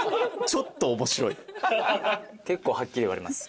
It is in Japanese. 結構はっきり言われます。